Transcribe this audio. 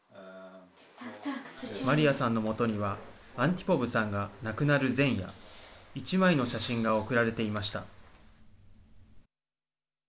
マリアさんの元にはアンティポブさんが亡くなる前夜１枚の写真が送られていました。